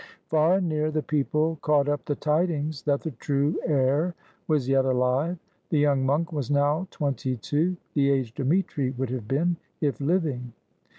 Far and near the people caught up the tidings that the true heir was yet alive. The young monk was now twenty two, — the age Dmitri would have been, if Hving.